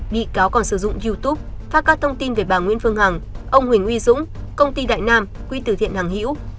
bị cáo còn sử dụng youtube phát các thông tin về bà nguyễn phương hằng ông huỳnh uy dũng công ty đại nam quỹ tử thiện hằng hiễu